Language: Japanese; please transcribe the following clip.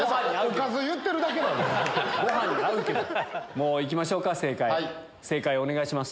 もういきましょうか正解お願いします。